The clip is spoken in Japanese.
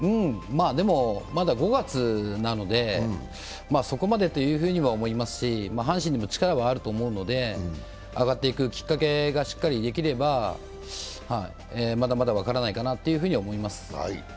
まだ５月なので、そこまでというふうにも思いますし、阪神にも力はあると思うので上がっていくきっかけがしっかりできればまだまだ分からないかなと思います。